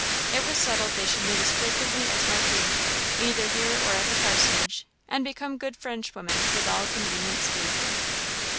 It was settled they should meet as frequently as might be, either here or at the parsonage, and become good Frenchwomen with all convenient speed.